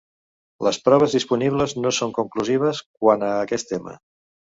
Les proves disponibles no són conclusives quant a aquest tema.